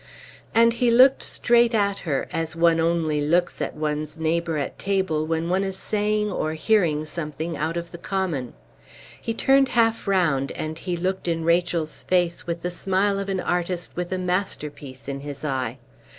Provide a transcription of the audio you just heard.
And he looked straight at her, as one only looks at one's neighbor at table when one is saying or hearing something out of the common; he turned half round, and he looked in Rachel's face with the smile of an artist with a masterpiece in his eye.